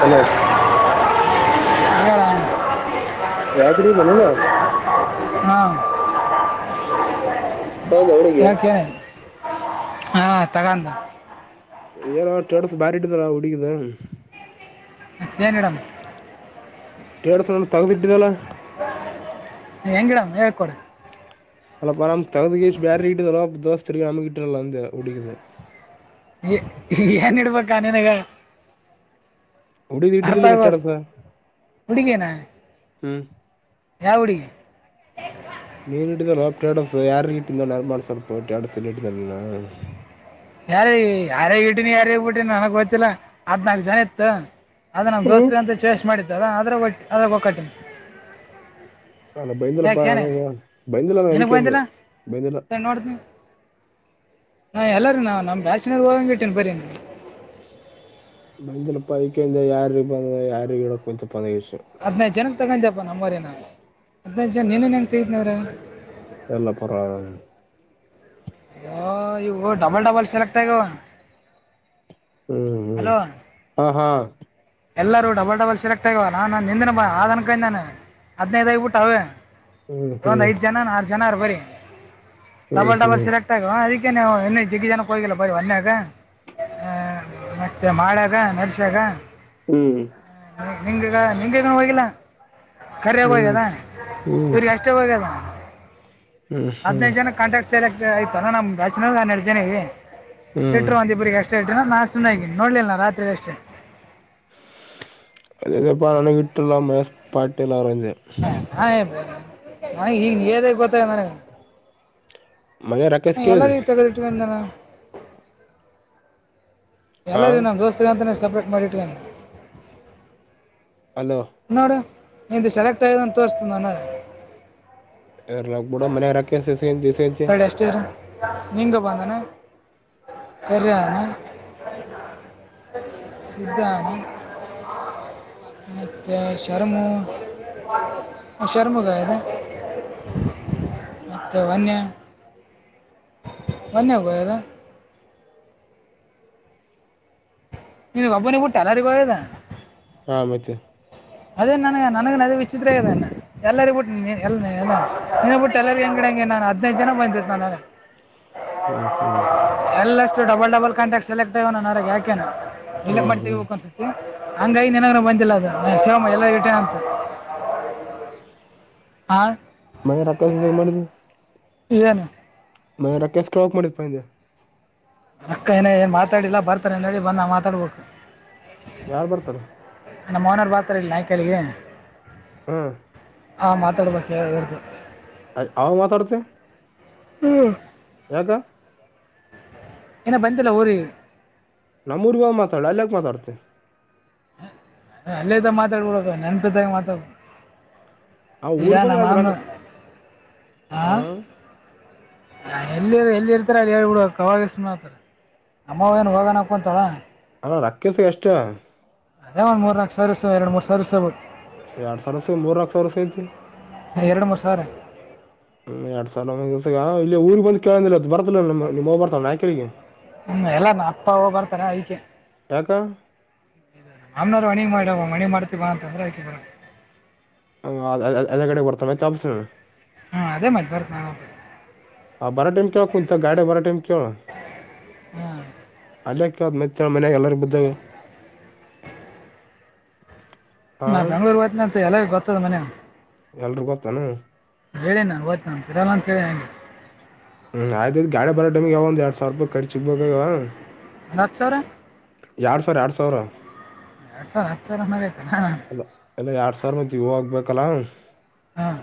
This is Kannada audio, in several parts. ಹಲೋ. [inaudible] ವತರಿ ಬನ ನ [inaudible] ಹಾ. ಹೋದ್ಲಾ ಹುಡುಗಿ. ಹಾ ತಗಂದ. ಏನ ಅಣ ಟೇಟ್ ಸ್ ಬಾರಿ ಇಟ್ಟಿದಿ ಅಲಾ ಹುಡುಗಿದ. ಏನಿಡಂ. ಟೇಟಸ್ ನಂದು ತಗ್ದಿಟ್ಟಿದಲ್ಲ. ಹೆಂಗಿಡಂ ಹೇಳ್ಕೊಡು. ಅಲ್ಲಪ್ಪ ನಮ್ ತಗದುಗೆಸಿ ಬೇರಗ ಬ್ಯಾರೆ ಕಿಟ್ಟಿದನಪ್ಪ ದೋಸ್ತ್ರಿಗೆ ನಮಗೆ ಇಟ್ಟಿಲ್ಲಲ ಅಂದ ಹುಡುಗಿದು. ಹೇ ಎನ್ ಇಡುಬೇಕ ನಿನಗ. ಹುಡುಗಿದ ಅರ್ಥ ಇಟ್ಟಿದಿಲ್ಲ ಅಗವಲ್ತು ಟೇಡಸ ಹುಡುಗಿನ. ಹ್ಮ್. ಯಾವ್ ಹುಡುಗಿ. ನೀನ್ ಇಟ್ಟಿದಲಪೋ ಟೆಡಸು ಯಾರರಿಗೆ ಇಟ್ಟಿದಲ ನೆನಪ ಮಾಡ ಸ್ವಲ್ಪ ಟೇಡಸ ಹಿಟ್ಟಿದ ನೀನ. ಹೇ ಯಾರ ಯಾರೇಗೆ ಇಟ್ಟಿನಿ ಯಾರರಿಗೆ ಬಿಟ್ಟೀನಿ ನನಗ್ ಗೊತ್ತಿಲ್ಲ. ಹದ್ನಾಾಲ್ಕು ಜನ ಇತ್ತು ಅದು ನಮ್ಮ ಹ್ಮ್ ದೋಸ್ತ್ ಅಂತ ಚೇಸ್ ಮಾಡಿ. ಅ ಅದರಟ್ಟ ಅದರ ಒಕ್ಕಟನ್. ನನಗ ಬಂದಿಲ್ಲಪ್ಪ ನನಗೂ ಬಂದಿಲ್ಲ ನನಗ ನಿನಗೆ ಅದಿಕೆ ಅಂದೆ ಬಂದಿಲ್ಲ ಬಂದಿಲ್ಲ. [inaudible] ಸರಿ ನೋಡ್ತೀನಿ ನಾ ಎಲ್ಲಾ ರೀ, ನಾ ನಮ್ ಬ್ಯಾಚನರಿಗೆ ಹೋಗಂಗ ಇಟ್ಟಿನಿ ಬರಿ? ಬಂದಿಲ್ಲಪ್ಪ, ಅದಿಕ್ಕೆ ಅಂದೆ ಯಾರಿಗ ಬಂದದ ಯಾರಿಗ ಇಡಕ ಗೊತ್ತಿಲ್ಲ. ಹದಿನೈದು ಜನದ್ದ ತಗೊಂಡ್ಯಪ್ಪ ನಂಬರ ನೀನು, ಹದಿನೈದು ಜನದ್ದ ನೀನೆ ನೆನಪು ತೆಗೀತೀನಿ ಅಂದ್ರ? ಇಲ್ಲ ಪರ್ವಾಗಿಲ್ಲ. ಹಾ ಇವು ಡಬಲ್ ಡಬಲ್ ಸೆಲೆಕ್ಟ್ ಆಗ್ಯಾವ. ಹ್ಮ್ ಹ್ಮ್, ಹ ಹಾ. ಎಲ್ಲರೂ ಡಬಲ್ ಡಬಲ್ ಸಿಲೆಕ್ಟ್ ಆಗ್ಯಾವ, ನಾನ ನಿಂದುನು ಪಾ ಅದೇನ್ ಅನ್ಕೊಂಡೆ ಹದಿನೈದ ಆಗ್ಬಿಟ್ಟಾವ ಅವೆ. ಹ್ಮ್ ಒಂದ್ ಹ್ಮ್ ಐದ್ ಜನರ ಆರು ಜನರ ಬರಿ ಹ್ಮ್ ಡಬಲ್ ಡಬಲ್ ಹ್ಮ್ ಸೆಲೆಕ್ಟ್ ಆಗ್ಯಾವ ಅದಕ್ಕೆ. ದಕ್ಕೆ ನಾವು ಇನ್ನ ಜಗ್ಗೆ ಜನಕ್ಕೆ ಹೋಗಿಲ್ಲ ಬರಿ ಒನ್ಯಾಗ ಆ. ಮತ್ತೆ ಮಾಳ್ಯಾಗ ನರ್ಶ್ಯಾಗ. ಹ್ಮ್. ನಿಂಗಗ ನಿಂಗನು ಹೋಗಿಲ್ಲ. ಕರ್ಯಗ ಹ್ಮ್ ಹೋಗ್ಯದ ಹ್ಮ್ ಇವ್ರಿಗೆ ಅಷ್ಟೆ ಹೋಗ್ಯದ. ಹ್ಮ್ ಹ್ಮ್ ಹದಿನೈದು ಜನ ಕಾಂಟ್ರಾಕ್ಟ್ ಸೆಲೆಕ್ಟ್ ಆಯ್ತಲ್ಲಾ ನಮ್ಮ ಬ್ಯಾಚಿನಾಗ ಹನ್ನೆರಡು ಜನ ಇವಿ. ಹ್ಮ್ ಇಟ್ರ ಒಂದ ಇಬ್ಬರಿಗೆ ಅಷ್ಟೇ ಇರ್ತೀನಿ ನಾನು ಸುಮ್ಮನೆ ಆಗಿನಿ ನೋಡ್ಲಿಲ್ಲ ನ ರಾತ್ರಿಲಿ ಅಷ್ಟೇ. ಅದೇ ಅದೇ ಪಾ ನನಗೆಟ್ಟಲ್ಲ ಮಹೇಶ್ ಪಾಟೀಲ್ ಅವರು ಅಂದೆ. ಹ ಹ ನನಗ ಈಗ ನೀ ಹೇಳಿದಾಗ ಗೊತ್ತಾಗ್ಯದ ನನಗೆ. ಮನೆ ರಾಕೇಶ್ ಹ ಕೇಳಿದೆ ಎಲ್ಲಾರೀಗ ತಗದಿಟ್ಟಿನೀ ಅಂದ್ನಲ. ಹಾ ಎಲ್ಲಾರಿಗಿ ನಮ್ಮ ದೋಸ್ತ್ರ ಅಂತಾನೇ ಸಪ್ರೇಟ್ ಮಾಡಿ ಇಟ್ಗಂಡಿನಿ. ಅಲೋ ನೋಡು ನಿಂದು ಸೆಲೆಕ್ಟ್ ಆಗ್ಯದಂತ ತೋರಸ್ತಾದ ನನ್ನದ್ರಾಗ. ಇರಲಿ ಬುಡೋ ಮನೆಗ ರೊಕ್ಕ ಎಸೆ? [inaudible] ತಡಿ ಅಷ್ಟೇ ಇರು ನಿಂಗ ಬಂದಾನ. ಕರ್ಯ ಅನಾ. ಸಧಾ. ಅತ್ತ ಶರ್ಮ ಶರ್ಮ ಗಾಯಿದೆ. [inaudible] ಮತ್ತ ಒನ್ನೆ. [unintelligible] ನಿನ್ನ ಒಬ್ಬನೀಗ ಬಿಟ್ಟ ಎಲ್ಲರಿಗೂ ಹೋಗ್ಯದ. ಹಾ ಮತ್ತೆ. ಅದೇ ನನಗ ನನಗನು ಅದೆ ವಿಚಿತ್ರ ಆಗ್ಯಾದ ಎಲ್ಲರಿಗ ಬಿಟ್ಟ, ನಿನಗ ಬಿಟ್ಟ ಎಲ್ಲರಿಗ ಹೆಂಗ ಇಡಂಗಿನಿ. ನಾನು ಹದಿನೈದು ಜನ ಬಂದಿದ್ದ ನಾನು. ಹ್ಮ್ ಹ್ಮ್! ಎಲ್ಲಷ್ಟು ಡಬಲ್ ಡಬಲ್ ಕಾಂಟ್ಯಾಕ್ಟ್ ಸೆಲೆಕ್ಟ್ ಆಗ್ಯಾವ ನನ್ನದರಾಗ ಯಾಕೇನು ಡಿಲೀಟ್ ಹ್ಮ್ ಮಾಡಿ ಹ್ಮ್ ತಗಿಬೇಕು ಒಂದಸತಿ ಹಂಗಾಗಿ ನಿನಗನೂ ಬಂದಿಲ್ಲ ಅದು ಸೇಮ್ ಎಲ್ಲರಿಗು ಇಟ್ಟಿನಿ ಅಂತ. ಹಾ ಮಯ ರೊಕ್ಕ ಏಸು ಜಮಾ ಮಾಡಿದಿ? ಏನು? ಮಯ ರೊಕ್ಕ ಎಷ್ಟು ಕೊಡಬೇಕು ಮಾಡಿದ ಪಾ ಅಂದೆ? ಅಕ್ಕ ಏನ ಏನು ಮಾತಾಡಿಲ್ಲ ಬರ್ತಾರೆ ಅಂತೇಳಿ ಬಂದು ನಾವು ಮಾತಾಡ್ಬೇಕು. ಯಾರ್ ಬರ್ತಾರ? ನಮ್ಮ ಓನರ್ ಬರ್ತಾರ ಇಲ್ಲಿ ನಾಯ್ಕಳಿಗೆ. ಹ್ಮ್. ಹಾ ಮಾತಾಡಬೇಕ [unintelligible] ಅಲ್ಲಿ ಹಾವು ಮಾತಾಡುತ್ತೆ? ಯಾಕ? ಇನಾ ಬಂದಿಲ್ಲ ಊರಿಗೆ. ನಮ್ಮೂರಿಗೆ ಹೋಗಿ ಮಾತಾಡು, ಅಲ್ಲಿ ಯಾಕ ಮಾತಾಡ್ತಿ? ಅಲ್ಲೇ ಇದ್ದಾಗ ಮಾತಾಡಿ ಬಿಡ್ಬೇಕು, ನೆನಪಿದ್ದಾಗ ಮಾತಾಡ್ಬೇಕು. ಆ ಇದು ಊರ್ ನಮ್ಮ ಬಂದ ಮಾಮನ ರಾಕ ಊರು. ಹಾ? ಆ ಎಲ್ಲಿ ಎಲ್ಲಿ ಇರ್ತಾರೆ ಅಲ್ಲಿ ಹೇಳ್ಬಿಡುುವ ಕವಾಗಸತಾರೆ ಅಮ್ಮವ ಏನು ಹೋಗೋಣಕ್ಕೊತಾಳ ಅಣ ರಾಕ್ಷಸ ಎಷ್ಟ ಅದೇ ಒಂದ್ ಮೂರ್ ನಾಕಕ್ ಸರ್ಸ ಎರಡು ಮೂ ಸರ್ಸ ಬು ಎರಡ್ ಸಾವಿರಸ ಮೂರ್ನಾಕ ಸಾವಿರಸ ಐತಿ ಎರಡು ಮೂರು ಸಾವಿರ ಹ್ಮ ಆ ಸಾಲ ಮ ಇಲ್ಲಿ ಊರಿಗೆಗ್ ಬಂದು ಕೇಳಿಲ್ಲ ಅದು ಬರ್ದಲ್ಲ ನಮ್ಮಮ್ ಹ್ ಬರ್ತಾವೆ ನಾ್ ಕಳಿಗೆ ಹ್ಮ ಎಲ್ಲ ನ ಅಪ್ಪ ಹೋಗ ಬರ್ತಾರ ಅಯಕ್ಕೆ ಯಾಕ ನಮ್ನವರು ಮಣಿಗ್ ಮಾಡ್ಯವ ಮಣಿ ಮಾಡ್ತೀವಾ ಅಂತಂದ್ರೆ ಆಯತ ಬರ ಹ ಎಲ್ಲ ಕಡೆ ಕೊಡ್ತ ಚಾ ಹಾ ಅದೇ ಮನೆಪರತ್ ಹ ಬಾರಟೈಮ ಕವ ಕುಂಂತ ಗಾಡ ಬರಟೈಮ ಕವ ಹ್ಮ್ ಅಲ್ಲ ಮ ಚ ಮನೆ ಎಲ್ಲ ಬ ನಾ ಬೆಂಗ್ಳೂರ್ ಹೋಯ್ತನ ಅಂತ ಎಲ್ಲಗ ಗೊತ್ತದ ಮನ ಎಲ್ರುೂ ಗೊತ್ತಾನ ಹೇಳಿ ನಾನು ಓ್ತ ನಂತೀರಲ್ಲ ಅಂತೇಳಿ ನಂಗೆ ಹ್ಮ್ಯ್ತ್ ಗಾಡಿ ಬೋ ಮಗೆಾವ ಒಂದ ಎರಡ್ ಸಾವಿರ ರಪಾಯ ಖರ್ಚುಗ್ಬಬೇಕವ ನತ್ತು ಸರ್ ಎರಡ್ ಸಾವಿರ ಎರಡ್ ಸಾವಿರ ಎರಡು ಸಾವಿರ ಹತ್ತು ಸಾವಿರ ಮೇಲೆ ಐತೆ ನಾನು ಅ ಎಲ್ಲ ಎರಡ್ ಸಾವಿರ ಮತಿ ಹಗ್ಬೇಕಲ್ಲ ಹಾಂ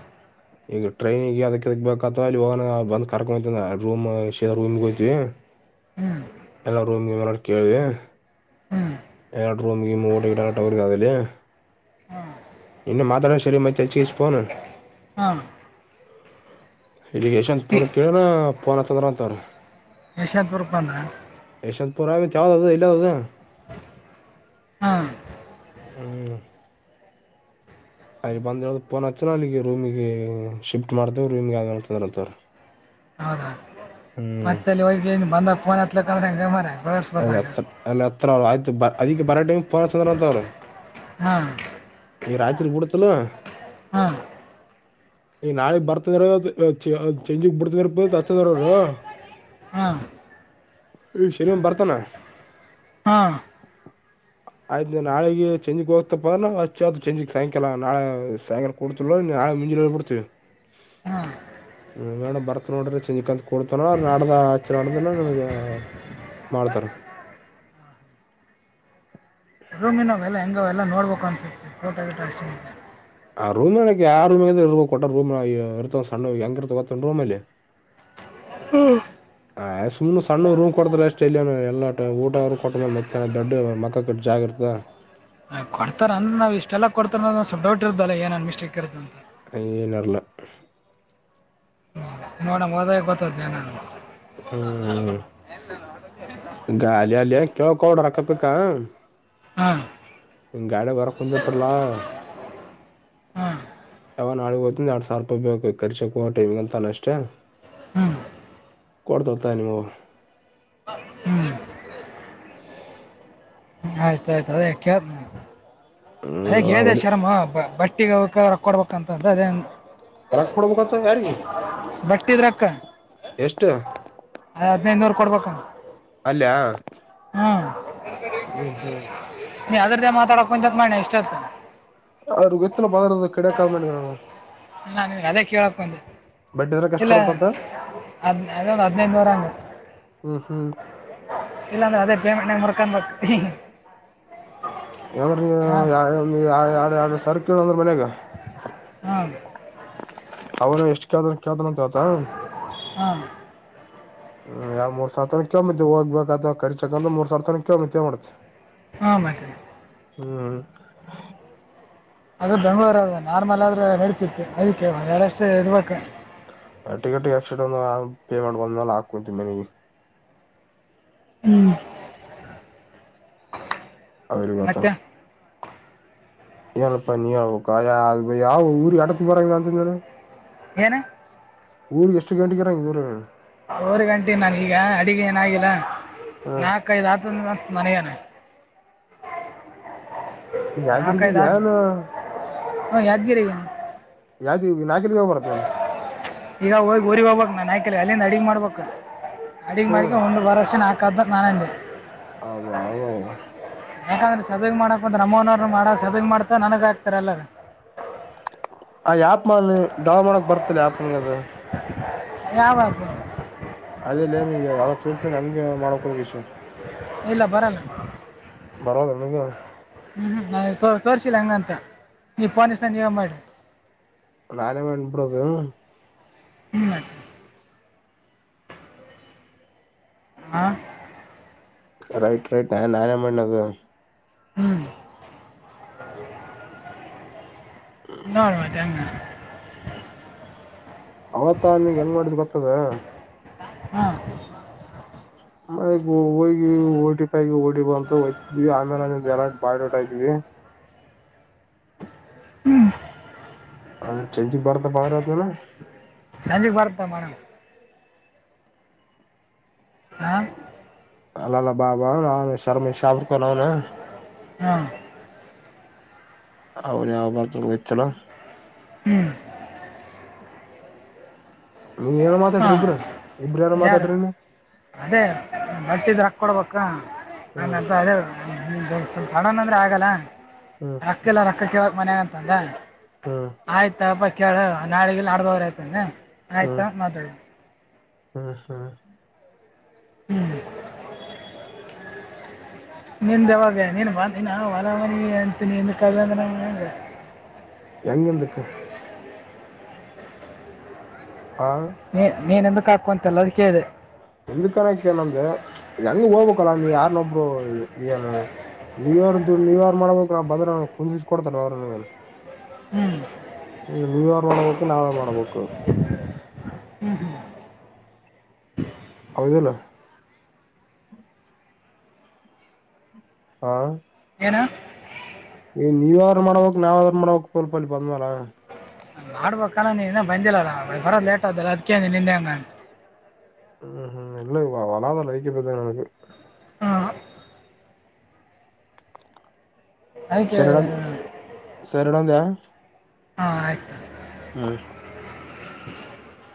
ಇದು ಟ್ರೈನ್ಿಗೆ ಅದಕ್ಕೆ ಬೇಕತ್ ಇಲ್ಲಿ ಹೋಗ ಬಂದ್ ಕರ್ಕೊ ರೂಮ್ ಕೆಲ್ಲ ರೂಮ್ಗೆ ಹೋಯ್ತಿವಿ ಹ್ಞೂ ಎಲ್ಲ ರೂಮ್ಗೆಡ್ ಕೇಳವಿ ಹ್ಞೂ ಎರಡು ರೂಮ್ಿಗೆ ಮೂಟ ಗ ಎರಡು ಟವರ್ಗದುಲ್ಲ ಹಾ ಮಾತಾ ನ ಶರ ಚೆಚೀ ಸ್್ಫೋ ಹ ಇರಿಗೇೇಶನ್ ಪೂರ ಕೇಳನ ಪೋನ ಅಚ್ಚದ್ರಂತ ಅವ್ರು ಇಸಮ್ ಪುರಕ್ಕೆ ಬಂದ್ರ ಹೌದು [unintelligible] ವಾಗ ಹಾ ಹ್ಮ್ ಅಲ್ಲಿ ಬಂದ ಈಳ್ದ ಫೋನ್ ಹಚ್ಚನ ಅಲ್ಲಿಗೆ ರೂಮಗ ಶಿಫ್ಟ್ ಮಾಡ್ತೇವ ರೂಮಗೆ [unintelligible] ಫೋನ್ ಅಚ್ಚವರ ಹೌದ ಮತ್ತೆ ಅಲ್ಲಿ ಹೋಗಗ ಏನ್ ಬಂದಾಗ ಫೋನ್ ಹತ್ಲಕ್ ಅಂದ್ರೆ ಹಂಗಗೆ ಮರ ಅತ್ ಅತ್ ಅಲ್ಲಿದ ಬರ ಟೈಮಿಂಗೆ ಫೋನ್ ಅಚ್ಚ ಯಾರ್ [unintelligible] ಹಾ ಈ ರಾತ್ರಿ ಬಿಡ್ತೀಯ ಇಲ್ಲ ಹ್ಮ ಈ ನಾಳಿಗ್ ಬರ್ತಂದ್ರ ಚೆ ಚೇಂಜಿಗ್ ಬಿಡ್ತ [unintelligible] ತತ್ತು ತರರು [unintelligible] ಸರಿ ಬರ್ತ. ಹಾ. ಆಯ್ತ ನಾಳೆಗೆ ಚಂಜಿಗೆ ಹೋಗ್ತಪ್ಪ ವ ಚಂಜಿಗೆ ಸಾಯಂಕಾಲ ನಾಳೆ ಸಾಯಕಾಲ ಕೊಡ್ತನಾ. ನಾಳೆ ಮುಂಜಾನೆ ಹೋಗ್ಬಿಡ್ತಿವಿ ಹಾ. ನೇಡಮ್ ಬರ್ತ್ ನೋಡ್ರಿ ಚನ್ ಕಂತತ್ ಕೊಡ್ತಾನ ನಾಡ್ದ ಹಚ್ಚ ನಡ್ದನ ನಮಗ ಹ [unintelligible] [inaudible] ರೂಮಿನ ಅವಲ್ಲ ಹೆಂಗ ಅವೆಲ್ಲ ನೋಡ್ಬೇಕು ಅನ್ಸುತ್ತೆ ಫೋಟೋ ಗಿಟಾ ತೆಗಿಸ್ಕೊಂಡು ಆ ರೂಮನಕ್ ಯ ಆ ರೂಮ ಇರ್ ಕೊಟ್ಟ್ರ ರೂಮ್ ಇರ್ತವ ಸಣ್ಣ ಹೆಂಗ ಇರ್ತತ ರೂಮ್ ಅಲ್ಲಿ [inaudible] ಹ್ಮ್ ಆ ಸುಮ್ಮೆ ಸಣ್ಣ ರೂಮ್ ಕೊಡ್ತಲ್ಲ ಅಷ್ಟ ಇಲ್ಲಿಯನು ಎಲ್ಲಾ ಊಟ ಅವರು ಕೊಟ್ಟ ಮೇನ್ ಮತ್ತ್ಯಾಹನ ದೊಡ್ ಮಕ್ಕ ಕಟ್ಟ ಜಾಗ ಇರ್ತದ ಹ [inaudible] ಹ ಕೊಡ್ತಾರೆಂದ್ರ ನವು ಇಷ್ಟೆಲ್ಲ ಕೊಡ್ತಾರ ಅದ್ರ ಸ್ವಲ್ವ ಡೌಟ್ ಇರ್ದಲ್ಲ ಏನುನ್ಮಿಸ್ಟೇಕ್ ಇರುತ್ತ ಅಂತ ಗೇನಿರಲ್ಲ ನೋಡಮ್ಮ ಓದಕ್ಕೆ ಗೊತ್ತಾಗ್ತಿದೆ ಏನೆಂಬದೂ ಹ್ಮ್ ಗಾಲಲ್ಲಿ ಕೇಳಕ್ಕೆ ಹೋಗ್ಬೇಡ ರಕ್ಕಪಿಕಾ ಹಾ ನಿನ್ ಗಾಡಗ್ ಹೊರಗ್ ಕುಂದರ್ತರ್ಲ ಹಾಂ ಯಾವನ್ ನಾಡ್ಗ್ ಹೋತಿನ್ ಎರಡ್ ಸಾವಿರ್ ರೂಪಾಯಿ ಬೇಕ್ ಟೈಮ್ಗೆ ಖರ್ಚು ಗ್ ಅಂತನೆ ಅಷ್ಟೇ. ಹ್ಞೂ ಕೊಡತತ ಅನುಮೋ ಹ್ಞೂ ಆಯ್ತ ಆಯ್ತು ಅದೇ ಕಳೆತೀನಿ ಹ್ಮ್ ಅದ ನಾವ್ ಹೇಳ ಹೊಡಿ- ಶರ್ಮ ಬಟ್ಟಿಗೆ ಅವ್ರ್ ರೊಕ್ಕ ಕೊಡ್ಬೇಕಂತ ಅದೇನ್ ರೊಕ್ಕ ಕೊಡ್ಬೇಕಂತ ಯಾರಿಗೆ ಬಟ್ಟಿದ್ರಕ್ಕ ಎಷ್ಟು ಹದ್ನೈದುನೂರು ಕೊಡ್ಬೇಕ- ಅಲ್ಯ ಹ್ಮ್ ಹ್ಮ್ ನೀ ಅದ್ರ್ದ ಮಾತಾಡಕಂತತ್ ಮಾಡಣ ಇಷ್ಟತು ಆದ್ರ ಗೊತ್ತಲ ಬದ್ರ [unintelligible] ಕಡಕ್ ಮಾಡ [unintelligible] ನನ್ ಅದೇ ಕೇಳಕ್ ಬಂದೆ. ಬಡ್ಡಿ ಇದ್ರಾಗ ಎಷ್ಟು ಇಲ್ಲ ಕೊಡ್ಬೇಕಂತ ಅದ ಅಂದು ಹದಿನೈದು ವರಾಂಗ ಹ್ಮ್ ಹ್ಮ್ ಇಲ್ಲಾಂದ್ರೆ ಅದೇ ಪೇಮೆಂಟ್ ಮರ್ಕೊಂಡ್ ಬೇಕ್ ಇಮ್ಹ ಏಂದ್ರ ಹಾಂ ಎಡ್ ಎಡ್ ಎರಡುವೆರೆ ಸಾವರ್ರ್ಕೇಳ ಅಂದ್ರ ಮನ್ಯಾಗ ಹ್ಮ ಅವನು ಎಷ್ಟಕಾದ್ರ ಹಾ ಹ್ಮ್ ಯಾವ್ ಮೂರ್ ಸಾವಿರ ತನಕ್ಕೆ ಕಮ್ಮಿ ಹೋಗಬೇಕ ಅ ಕರಿಚಕಂದ್ರ ಮೂರ್ ಸಾವರ ತನಕ ಕಮಿ ಮಾಡ್ತ್ತೆ ಹಾ ಮಾತ್ರಿ ಹ್ಮ್ ಅದು ಬೆಂಗ್ಗಳೂರು ಅದ ನಾರ್ಮಲ್ ಆದ್ರೆ ನಡೀತಿತ್ತು ಅದಕ್ಕೆ ಒಂದ ಎಡಷ್ಟು ಇರ್ಬೇಕು ಟಿಕೆಟ್ ಎಕ್ಸ್ ಪೇ ಮಾಡ ಬಂದ ಮೇಲೆ ಹಾಕೊಂತೀ ಮನೆಗೆ ಹ್ಮ್ ಅವರು ಮತ್ತ ಮತ್ತೆ ಏನಪ್ಪ ನೀ ಅ ಯಾವ ಊರಿಗೆ ಇಡ ಬಾರ ಅಂತಂದನ ಏನೆ ಊರಿಗೆಗ್ ಎಷ್ಟು ಗಂಟಗರಂಗ ಇಊರ ಅವರು ಗಂಟೆ ನಾನ ಈಗ ಅಡಿಗೆ ಏನಾಗಿಿಲ್ಲ ಹ್ಮ್ ನಾಲ್ಕೈಐದು ಆತ ಮನೆಯನೆ ಯಾಚರ್ಕಿದಯ ನಾ ಹ ಯಾದಗಿರಿಮ್ಮ ಯಾವ್ದ ನಾಲ್ಕೆ ಬರತ್ತ ನಾನು ಈಗ ಹೋಗಿ ಊರಿಗೆ ಹೋಗ್ಬೇಕು ನಾನನ್ ಆಯಕ ಅಲ್ಲಿಂದ ಅಡಗ್ ಮಾಡ್ಬೇಕು ಅಡಿಗ್ ಮಾಡಕ ಹ್ಮ್ ಒಂದ ಬಾರ ವರ್ಷಾ ಕಬ್ಲ ನಾರಾಯಣು ಹಬ ಹ ಯಾಕಂದ್ರೆ ಸದಂಗ ಮಾಡಕ ಬಂದ ನಮವನವರು ಮಾಡ ಸದಂಗ್ ಮಾಡ್ತ ನನಗ ಆಾಕ್ತಾರೆ ಎಲ್ಲರು ಆ ಆ್ಯಪ್ ಮ ಡ್ರಾ ಮಾಡಕ್ ಬರ್ತ ಆ್ಯಪ್ನಗ ಅದು ರಾವಬ ಅದೇಲ್ಲಮ್ ಈಗ ಅವ ತಿಸ ಹಂಗೆ ಮಾಡ್ಕ್ಂದಷ ಇಲ್ಲ ಬರಲ್ಲ ಬರದಣಗ ಹ್ಞೂ ಹ್ಞೂ ನ ತ ತೋರಿಸಿಲ್ಲ ಹಂಗ ಅಂತ ನೀವು ಪಫನೀಸ ನೀೋಗ ಮಾಡಿ ನಳೆ ಮಾಡ ಅನ್ಬಡೋದು ಹ ರೈಟ್ ರೈಟ್ ಆ ನನ್ಮ್ಮ್ಣದು ಹ್ಮ್ ನಾಡ್ುವ ಅವತ ನಿಂಂಗ ಹೆಂಗ್ ಮಾಡಿದ್ ಗೊತ್ತದ ಹಾ ಮ ಹೋಗಿ ಓಡಿಪಾಯ ಓಡಿಬ ಅಂತ ಹೋಗಯ್ತಿದ್ವಿ ಆಮ ಆ ನ ಎಲ್ಲ ಬಾೋಟ ಆಐ್ವಿ ಹ್ಮ್ ಅದ ಚೆಂಜಿಕ್ ಬರ್ತ ಬದ್ರ ಅದುನ ಸಂಜೆೆಗೆ ಬರ್ತ ಮೇಡಮ್ ಹ ಅಲ್ಲಲ್ಲ ಬಾಬಾ ನ ಶರ್ಮ ಶಪರ್ಕ ನ ಅವ ಹಾಂ ಅವರಿ ಯಾವ ಗಲ್ಲ ಹ್ಮ್ ನೀವ ಏನೋ ಮಾತಾಡ್ರಿ ಹಾಂ ಇಬರು ಇಬ್್ರ ಏನೋ ಯಾರು ಮಾತಾಡ್ರಿ ನೀನು ಅದೇ ಬಟ್ಟಿದ ರೊಕ್ಕ ಕೊಡ್ಬೇಕು ಹ್ಮ್ ಹಂಗಂತ ಅದೇೋಸ ಅಂದು ಸಡನ್ ಅಂದರೆೆ ಆಗಲ್ಲ ಹ್ಮ್ ರೊಕ್ಕ ಎಲ್ಲ ರೊಕ್ಕ ಕೇಳೋಕ್ ಮನ್ಯಾಗ ಅಂತಂದ ಹ್ಮ್ ಆಯ್ತಪಾ ಕೇಳ ನಾಡಿಗೆಲ್ ಆಡ್ದವರ ಆಯತಾನ ಹ್ಮ್ ಆಯ್ತಾ ಮಾತಾಡ ಹ್ಮ್ ಹ್ಮ್ ಹ್ಮ್ ನಿಂದಾವಾಗ ನೀನ್ ಬಂದಾ ಹೊಲ ಮನಿ ಅಂತ ಕಂದ ನ ಹೆಂಗ ಹಿಂದಕ್ ಆ ನೀ ನೀನ್ ಎಂದಕ್ಕ ಹಾಕ್ಕೋ ಅಂತಲ್ಲ ಅದಕ್ಕೆದ ಎಿಂದ್ ಕನಕ್ಕ ಏನಂದ ಹೆಂಗ ಹೋಗ್ಬೇಕಲ್ಲ ನೀ ಯಾರ್ನ್ನೊಬ್ರು ಏನ್ ನ್ೂ ಇರ್ ನ್ಯೂ ಇಯರ್ ಮಾಡ್ಬೇಕು ನಾ ಬ್ರ ಕುುದಿಸ ಕೊಡ್ತಾರೆ ಅವ್ರ ಇ ಹ್ಞೂ ನ್ಯೂ ಇರ್ ಮಾಡ್ಬೇಕು ನಾವರ್ ಮಾಡ್ಬೇಕು ಹ್ಮ್, ಹ್ಮ್. [unintelligible] ಹೌದುವಾಲ್ಲಾ. [unintelligible] ಹಾ. [inaudible] ಏನು. [unintelligible] ನೀವ್ಯಾರು, ಮಾಡಬೇಕು, ನಾವುಯರುಮಡಬೇಕ್ಕು, ಗ್ರೂಪಲ್ಲಿಬಂಧುವಲ್ಲ. [inaudible] ಮಾಡುಬೆಕ್ಕುಕಾನ, ನೀನು ಬಂದಿಲ್ಲಲ್ಲ ಬರ ಲೇಟ್, ಅದುಕ್ಕೆ, ಅದ್ಕಿನಿಂಗೂ, ಹಂಗು. [unintelligible] ಹ್ಮ್, ಹ್ಮ್, ನೆನ್ನೆ, ಹೊಲಅಧ್ಯಲ್ಲ, ಹೈಕ್ಕಿಬಜೆರ್, ಆಯ್ತೇಅಲ್ಲಾ. [unintelligible] ಹಾ. [unintelligible] ಅದಕ್ಕೆ ಸಾರಿಡ್ಡು, ಹೇಳಿದೆ ನಾನು ಸರುಡ್ಯನುಧಯ. [inaudible] ಹಾ, ಆಯ್ತು! [unintelligible] [unintelligible] [inaudible]